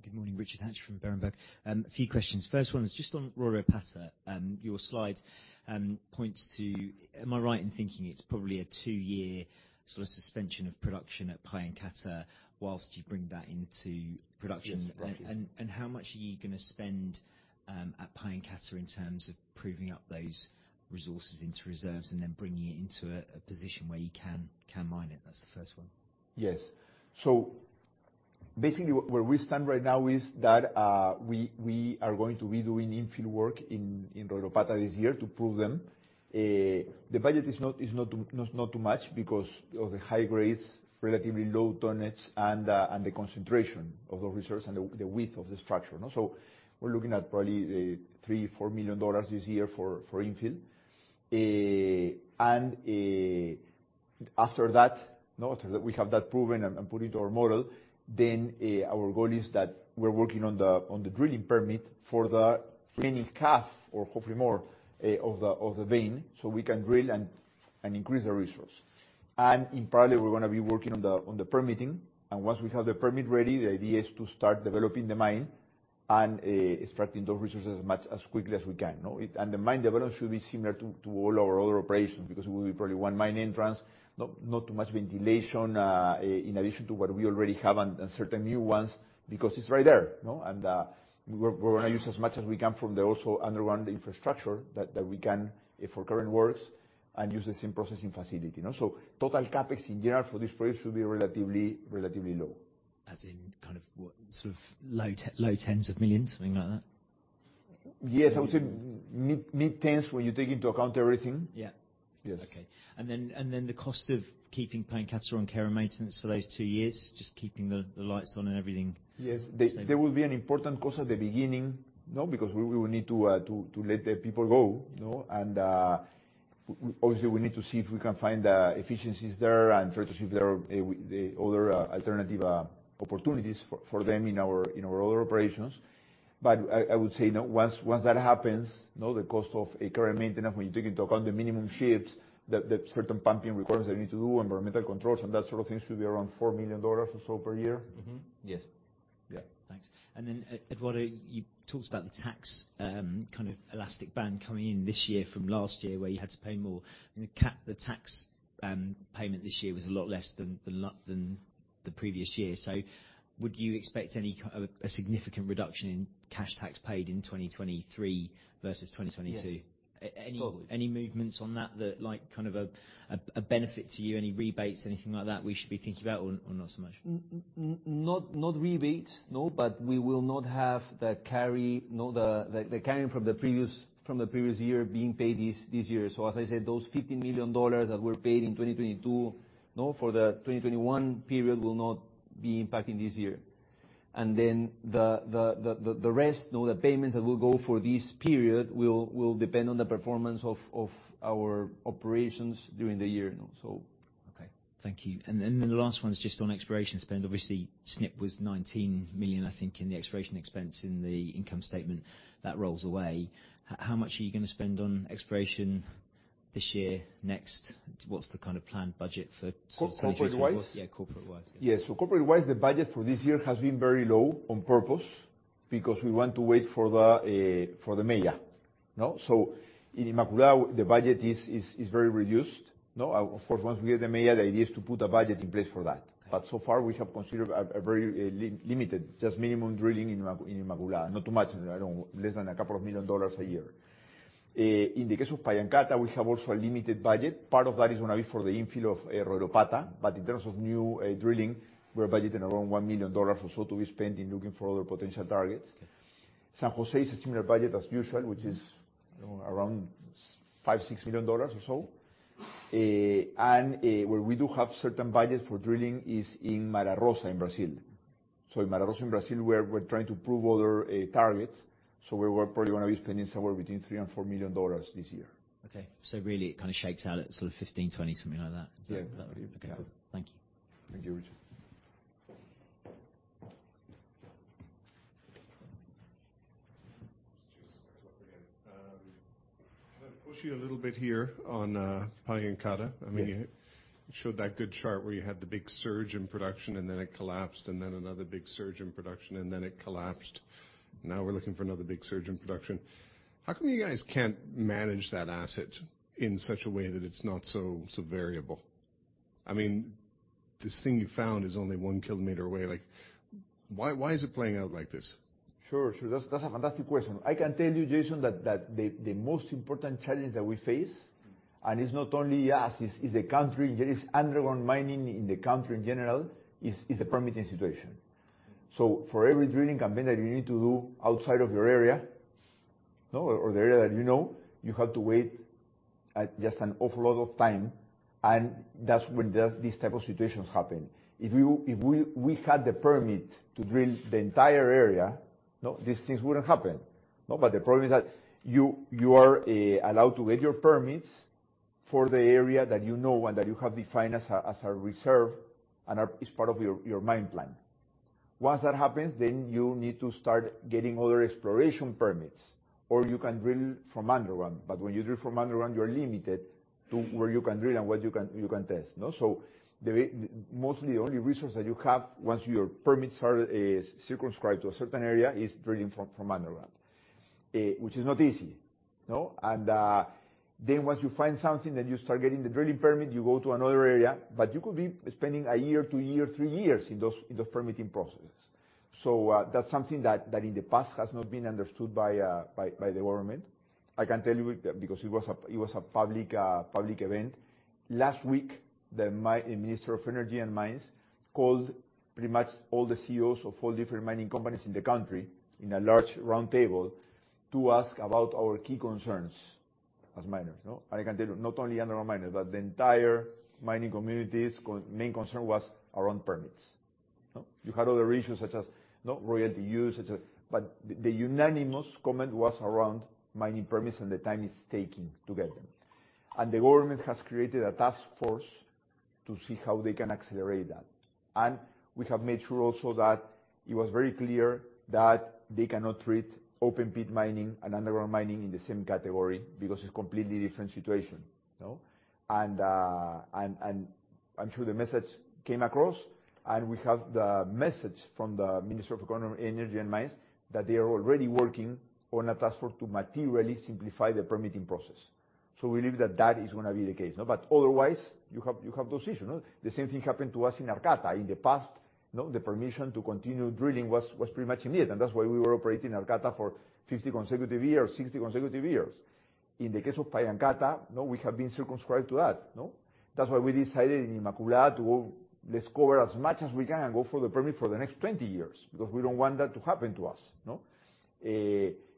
Good morning. Richard Hatch from Berenberg. A few questions. First one is just on Royropata. Your slide points to, am I right in thinking it's probably a two-year sort of suspension of production at Pallancata whilst you bring that into production? Yes, roughly. How much are you gonna spend at Pallancata in terms of proving up those resources into reserves and then bringing it into a position where you can mine it? That's the first one. Yes. Basically where we stand right now is that we are going to be doing infill work in Royropata this year to prove them. The budget is not too much because of the high grades, relatively low tonnage and the concentration of the resource and the width of the structure. We're looking at probably $3 million-$4 million this year for infill. After that, after that we have that proven and put into our model, then our goal is that we're working on the drilling permit for the remaining half, or hopefully more, of the vein, so we can drill and increase the resource. In parallel, we're gonna be working on the permitting. Once we have the permit ready, the idea is to start developing the mine and extracting those resources as much as quickly as we can, no? The mine development should be similar to all our other operations because it will be probably one mine entrance, not too much ventilation in addition to what we already have and certain new ones, because it's right there, no? We're gonna use as much as we can from the also underground infrastructure that we can for current works and use the same processing facility, no? Total capex in general for this project should be relatively low. As in kind of what? Sort of low tens of millions, something like that? Yes. I would say mid-tens when you take into account everything. Yeah. Yes. Okay. The cost of keeping Pallancata on care and maintenance for those two years, just keeping the lights on and everything the same? Yes. There will be an important cost at the beginning, no? Because we will need to let the people go, no? Obviously, we need to see if we can find efficiencies there and try to see if there are other alternative opportunities for them in our other operations. I would say, you know, once that happens, you know, the cost of a current maintenance when you take into account the minimum shifts that the certain pumping requirements they need to do, environmental controls and that sort of thing should be around $4 million or so per year. Yes. Yeah. Thanks. Then, Eduardo, you talked about the tax kind of elastic band coming in this year from last year, where you had to pay more and the tax payment this year was a lot less than the previous year. Would you expect any significant reduction in cash tax paid in 2023 versus 2022? Yes. A-any- Well- Any movements on that like kind of a benefit to you, any rebates, anything like that we should be thinking about or not so much? Not rebates, no. We will not have the carry, no, the carry from the previous, from the previous year being paid this year. As I said, those $50 million that were paid in 2022, no, for the 2021 period will not be impacting this year. The rest, no, the payments that will go for this period will depend on the performance of our operations during the year, so. Okay, thank you. The last one is just on exploration spend. Obviously, Snip was $19 million, I think, in the exploration expense in the income statement that rolls away. How much are you gonna spend on exploration this year, next? What's the kind of planned budget for? Co-corporate wise? Yeah, corporate wise. Yes. Corporate wise, the budget for this year has been very low on purpose because we want to wait for the MEIA. In Inmaculada, the budget is very reduced. Of course, once we get the MEIA, the idea is to put a budget in place for that. So far, we have considered a very limited, just minimum drilling in Inmaculada. Not too much. I don't know, less than $2 million a year. In the case of Pallancata, we have also a limited budget. Part of that is gonna be for the infill of Royropata. In terms of new drilling, we're budgeting around $1 million or so to be spent in looking for other potential targets. San José is a similar budget as usual, which is around $5 million-$6 million or so. Where we do have certain budgets for drilling is in Mara Rosa in Brazil. In Mara Rosa in Brazil, we're trying to prove other targets. We're probably gonna be spending somewhere between $3 million-$4 million this year. Okay. really, it kinda shakes out at sort of 15, 20, something like that. Yeah. Okay, cool. Thank you. Thank you, Richard. Jason, back to work again. Can I push you a little bit here on Pallancata? Yeah. I mean, you showed that good chart where you had the big surge in production. Then it collapsed. Another big surge in production. Then it collapsed. Now we're looking for another big surge in production. How come you guys can't manage that asset in such a way that it's not so variable? I mean, this thing you found is only one kilometer away. Like, why is it playing out like this? Sure, sure. That's a fantastic question. I can tell you, Jason, that the most important challenge that we face, and it's not only us, it's the country. There is underground mining in the country in general, is the permitting situation. For every drilling campaign that you need to do outside of your area or the area that you know, you have to wait just an awful lot of time, and that's when these type of situations happen. If we had the permit to drill the entire area, no, these things wouldn't happen. But the problem is that you are allowed to get your permits for the area that you know, and that you have defined as a, as a reserve and is part of your mine plan. Once that happens, you need to start getting other exploration permits, or you can drill from underground. When you drill from underground, you're limited to where you can drill and what you can test. Mostly the only resource that you have once your permit started is circumscribed to a certain area is drilling from underground, which is not easy. Then once you find something, you start getting the drilling permit, you go to another area, you could be spending one year, two years, three years in the permitting processes. That's something that in the past has not been understood by the government. I can tell you because it was a public event. Last week, the Minister of Energy and Mines called pretty much all the CEOs of all different mining companies in the country in a large roundtable to ask about our key concerns as miners. I can tell you, not only underground miners, but the entire mining community's main concern was around permits. No? You had other issues such as no royalty use, etc. The unanimous comment was around mining permits and the time it's taking to get them. The government has created a task force to see how they can accelerate that. We have made sure also that it was very clear that they cannot treat open-pit mining and underground mining in the same category because it's completely different situation. No? I'm sure the message came across, and we have the message from the Minister of Economy, Energy and Mines that they are already working on a task force to materially simplify the permitting process. We believe that that is gonna be the case. No, otherwise, you have those issues, no. The same thing happened to us in Arcata. In the past, no, the permission to continue drilling was pretty much immediate, and that's why we were operating Arcata for 50 consecutive years, 60 consecutive years. In the case of Pallancata, no, we have been circumscribed to that. No? That's why we decided in Inmaculada to discover as much as we can and go for the permit for the next 20 years, because we don't want that to happen to us. No?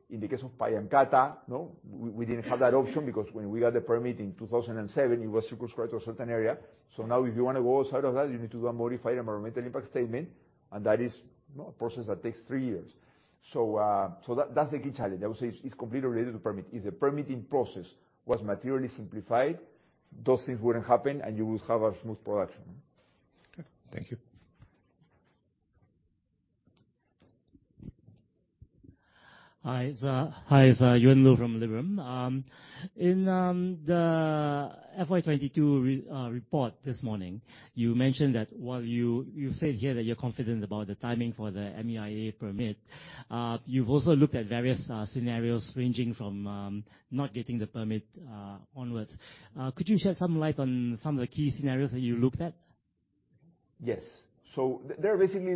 In the case of Pallancata, no, we didn't have that option because when we got the permit in 2007, it was circumscribed to a certain area. Now, if you wanna go outside of that, you need to do a modified environmental impact statement, and that is a process that takes three years. That's the key challenge. I would say it's completely related to permit. If the permitting process was materially simplified, those things wouldn't happen, and you will have a smooth production. Okay. Thank you. Hi, it's Yuan Lu from Liberum. In the FY 2022 report this morning, you mentioned that while you said here that you're confident about the timing for the MEIA permit, you've also looked at various scenarios ranging from not getting the permit onwards. Could you shed some light on some of the key scenarios that you looked at? Yes. There are basically,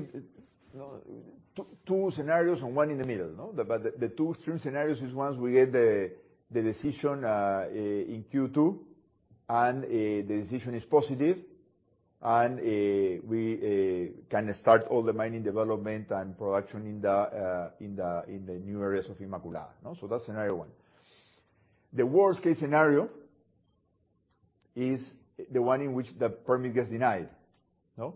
you know, two scenarios and one in the middle, no? The two extreme scenarios is, once we get the decision in Q2, and the decision is positive, and we can start all the mining development and production in the new areas of Inmaculada, no? That's scenario one. The worst case scenario is the one in which the permit gets denied, no?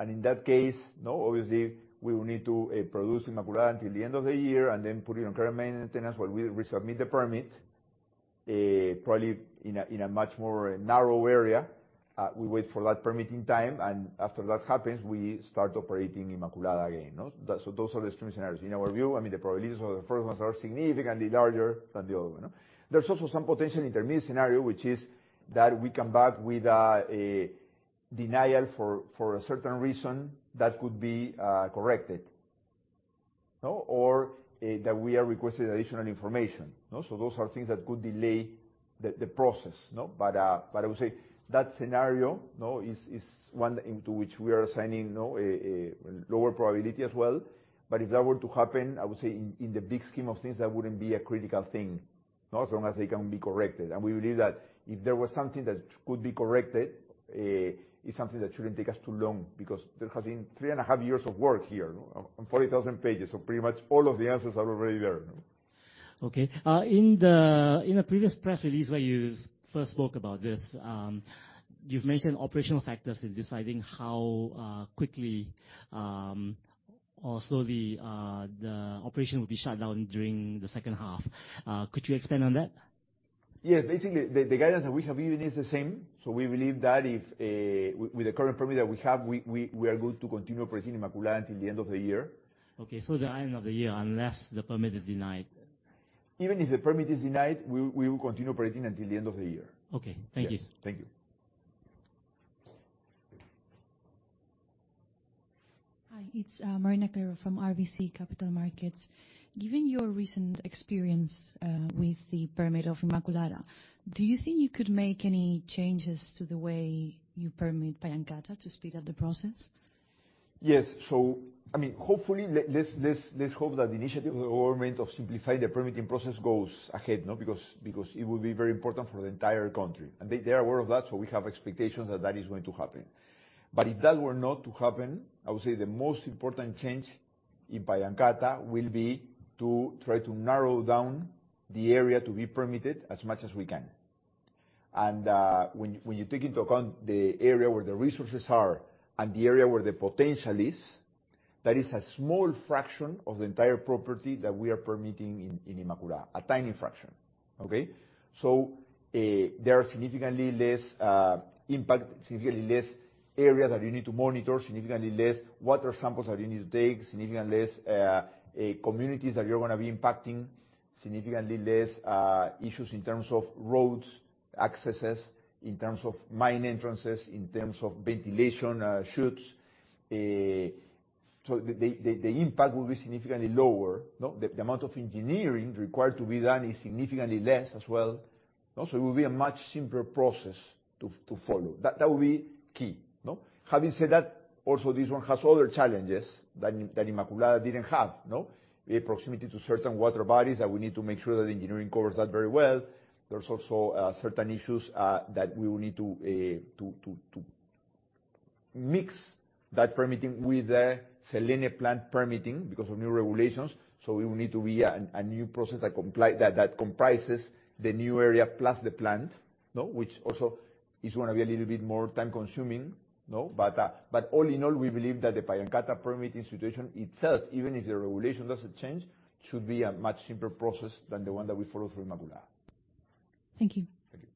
In that case, no, obviously we will need to produce Inmaculada until the end of the year and then put it on care and maintenance while we resubmit the permit, probably in a much more narrow area. We wait for that permitting time, and after that happens, we start operating Inmaculada again, no? Those are the extreme scenarios. In our view, I mean, the probabilities of the first ones are significantly larger than the other one. There's also some potential intermediate scenario, which is that we come back with a denial for a certain reason that could be corrected, no? That we are requesting additional information, no? Those are things that could delay the process, no? I would say that scenario, no, is one into which we are assigning, no, a lower probability as well. If that were to happen, I would say in the big scheme of things, that wouldn't be a critical thing, no? As long as they can be corrected. We believe that if there was something that could be corrected, it's something that shouldn't take us too long, because there has been three and a half years of work here, no, and 40,000 pages. Pretty much all of the answers are already there, no? Okay. In a previous press release where you first spoke about this, you've mentioned operational factors in deciding how quickly or slowly the operation will be shut down during the second half. Could you expand on that? Yes. Basically, the guidance that we have given is the same. We believe that if with the current permit that we have, we are going to continue operating Inmaculada until the end of the year. Okay. The end of the year, unless the permit is denied. Even if the permit is denied, we will continue operating until the end of the year. Okay. Thank you. Yes. Thank you. Hi, it's Marina Caro from RBC Capital Markets. Given your recent experience with the permit of Inmaculada, do you think you could make any changes to the way you permit Pallancata to speed up the process? Yes. I mean, hopefully, let's hope that the initiative of the government of simplifying the permitting process goes ahead, no? It will be very important for the entire country. They are aware of that, so we have expectations that that is going to happen. If that were not to happen, I would say the most important change in Pallancata will be to try to narrow down the area to be permitted as much as we can. When you take into account the area where the resources are and the area where the potential is, that is a small fraction of the entire property that we are permitting in Inmaculada. A tiny fraction. Okay? There are significantly less impact, significantly less area that you need to monitor, significantly less water samples that you need to take, significantly less communities that you're gonna be impacting, significantly less issues in terms of roads, accesses, in terms of mine entrances, in terms of ventilation chutes. The impact will be significantly lower, no? The amount of engineering required to be done is significantly less as well, no? It will be a much simpler process to follow. That will be key, no? Having said that, also this one has other challenges that Inmaculada didn't have, no? The proximity to certain water bodies that we need to make sure that the engineering covers that very well. There's also certain issues that we will need to mix that permitting with the Selene plant permitting because of new regulations. We will need to be a new process that comprises the new area plus the plant. Which also is gonna be a little bit more time-consuming. All in all, we believe that the Pallancata permitting situation itself, even if the regulation doesn't change, should be a much simpler process than the one that we followed for Inmaculada. Thank you. Thank you.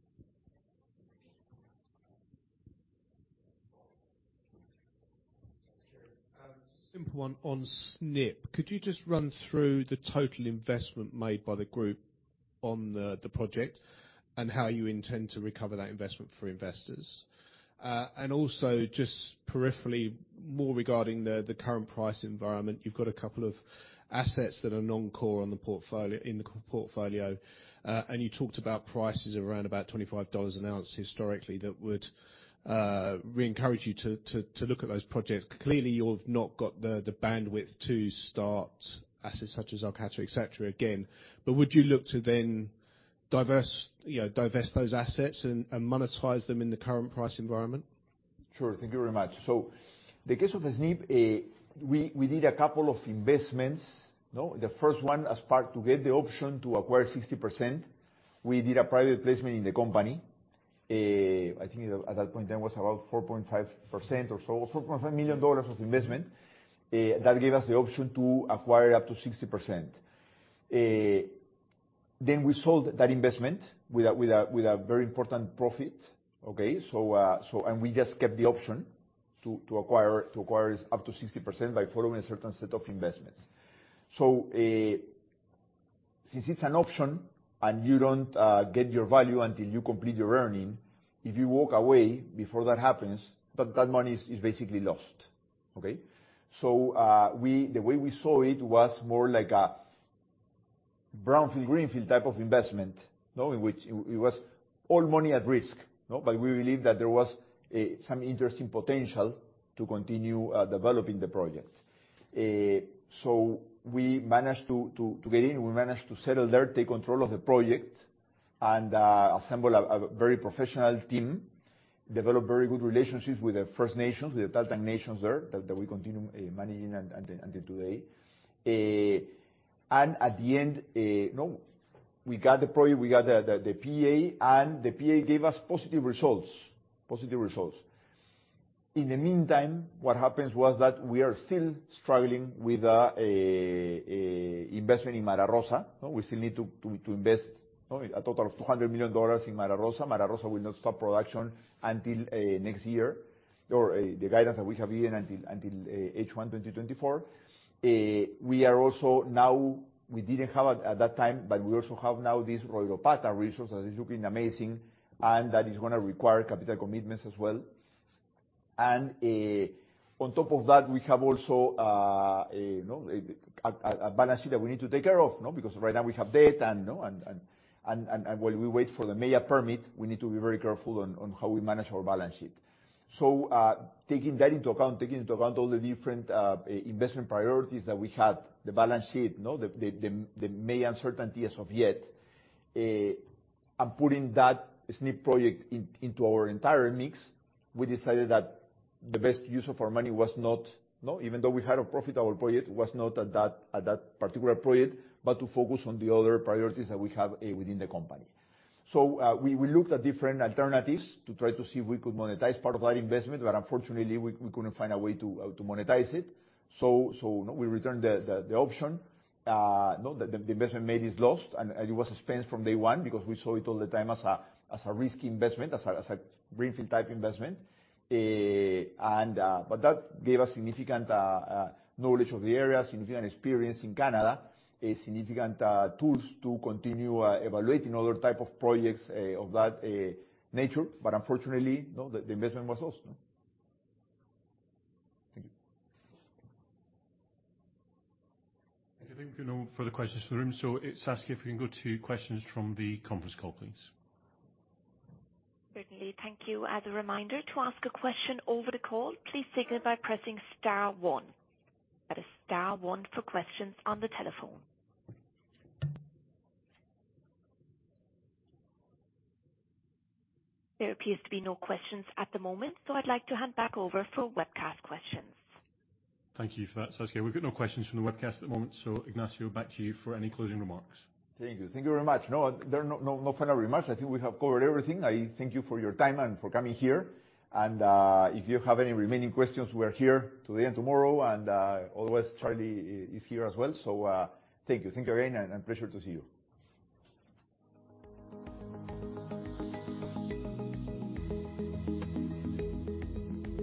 Sure. simple one on Snip. Could you just run through the total investment made by the group on the project and how you intend to recover that investment for investors? Also just peripherally more regarding the current price environment, you've got a couple of assets that are non-core in the portfolio. You talked about prices around about $25 an ounce historically that would, re-encourage you to look at those projects. Clearly, you've not got the bandwidth to start assets such as Arcata, etc, again. Would you look to then diverse, you know, divest those assets and monetize them in the current price environment? Sure. Thank you very much. The case of Snip, we did a couple of investments, no? The first one as part to get the option to acquire 60%, we did a private placement in the company. I think at that point there was about 4.5% or so, $4.5 million of investment. That gave us the option to acquire up to 60%. We sold that investment with a very important profit, okay? We just kept the option to acquire up to 60% by following a certain set of investments. Since it's an option and you don't get your value until you complete your earning, if you walk away before that happens, that money is basically lost, okay? The way we saw it was more like a brownfield, greenfield type of investment, you know, in which it was all money at risk, you know, but we believe that there was some interesting potential to continue developing the project. We managed to get in, we managed to settle there, take control of the project and assemble a very professional team, develop very good relationships with the First Nations, with the Tahltan Nation there, that we continue managing until today. At the end, you know, we got the project, we got the PA, and the PA gave us positive results. Positive results. In the meantime, what happens was that we are still struggling with investment in Mariposa. You know, we still need to invest, you know, a total of $200 million in Mariposa. Mariposa will not stop production until next year or the guidance that we have given until H1 2024. We didn't have at that time, but we also have now this Royropata resource that is looking amazing and that is gonna require capital commitments as well. On top of that, we have also, you know, a balance sheet that we need to take care of, you know. Right now we have debt and, you know, while we wait for the MEIA permit, we need to be very careful on how we manage our balance sheet. Taking that into account, taking into account all the different investment priorities that we had, the balance sheet, you know, the MEIA uncertainty as of yet, and putting that Snip project into our entire mix, we decided that the best use of our money was not, you know, even though we had a profitable project, was not at that, at that particular project, but to focus on the other priorities that we have within the company. We looked at different alternatives to try to see if we could monetize part of that investment, but unfortunately, we couldn't find a way to monetize it. We returned the option. You know, the investment made is lost and it was suspense from day one because we saw it all the time as a risky investment, as a greenfield type investment. That gave us significant knowledge of the area, significant experience in Canada, significant tools to continue evaluating other type of projects of that nature. Unfortunately, you know, the investment was lost, you know. Thank you. Okay. I think we've got no further questions from the room. Saskia, if we can go to questions from the conference call, please. Certainly. Thank you. As a reminder, to ask a question over the call, please signal by pressing star one. That is star one for questions on the telephone. There appears to be no questions at the moment, so I'd like to hand back over for webcast questions. Thank you for that, Saskia. We've got no questions from the webcast at the moment. Ignacio, back to you for any closing remarks. Thank you. Thank you very much. No, there are no final remarks. I think we have covered everything. I thank you for your time and for coming here. If you have any remaining questions, we are here today and tomorrow and, otherwise, Charlie is here as well. Thank you. Thank you again, and a pleasure to see you.